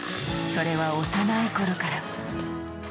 それは幼い頃から。